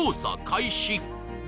開始